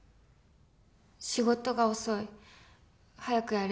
「仕事が遅い」「早くやれ」